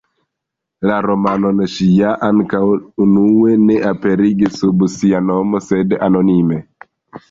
La romanon ŝi ja ankaŭ unue ne aperigis sub sia nomo, sed anonime.